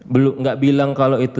belum nggak bilang kalau itu